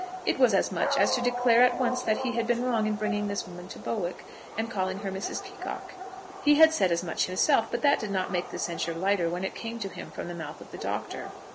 It was as much as to declare at once that he had been wrong in bringing this woman to Bowick, and calling her Mrs. Peacocke. He had said as much himself, but that did not make the censure lighter when it came to him from the mouth of the Doctor.